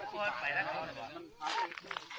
ขอร้องนะครับ